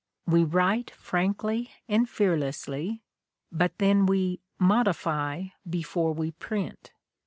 We write frankly and fearlessly, but then we 'modify' before we print.